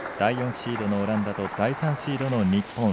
シードのオランダと第３シードの日本。